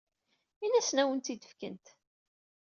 Init-asent ad awen-t-id-fkent.